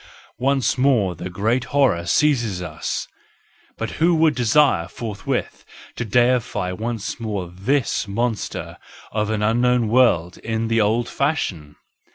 Once more the great horror seizes us—but who would desire forthwith to deify once more this monster of an unknown world in the old fashion